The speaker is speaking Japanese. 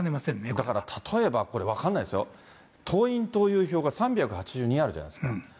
だから、例えばこれ、分かんないですよ、党員・党友票が３８２あるじゃないですか。